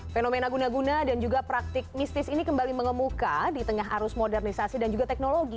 fenomena guna guna dan juga praktik mistis ini kembali mengemuka di tengah arus modernisasi dan juga teknologi